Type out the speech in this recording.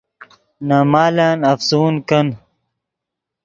نے مالن افسون کن